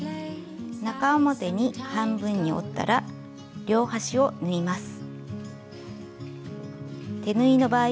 中表に半分に折ったら両端を縫います。